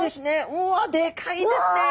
うわでかいですね。